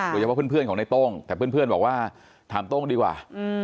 โดยเฉพาะเพื่อนของในโต้งแต่เพื่อนบอกว่าถามโต้งดีกว่า